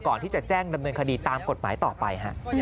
ก่อนที่จะแจ้งดำเนินคดีตามกฎหมายต่อไป